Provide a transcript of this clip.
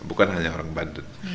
bukan hanya orang banten